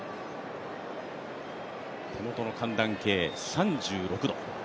手元の寒暖計３６度。